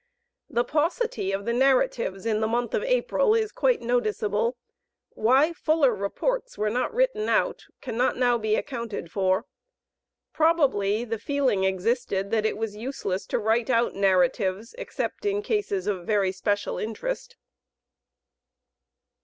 The paucity of the narratives in the month of April, is quite noticeable. Why fuller reports were not written out, cannot now be accounted for; probably the feeling existed that it was useless to write out narratives, except in cases of very special interest.